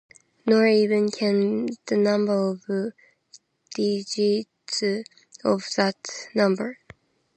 Nor even can the number of digits of "that" number.